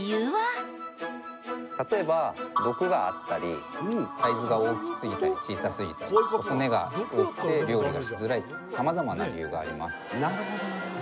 例えば毒があったりサイズが大きすぎたり、小さすぎたり骨が多くて料理がしづらいと、さまざまな理由があります。